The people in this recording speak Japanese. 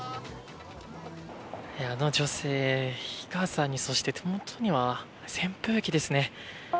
あの女性、日傘に手元には扇風機ですね。